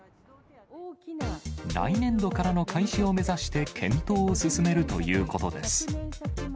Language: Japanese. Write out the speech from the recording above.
来年度からの開始を目指して、検討を進めるということです。